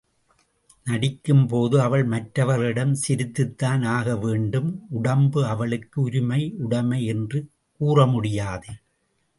நடிக்கும்போது அவள் மற்றவர்களிடம் சிரித்துத்தான் ஆக வேண்டும் உடம்பு அவளுக்கு உரிமை உடைமை என்று கூறமுடியாது.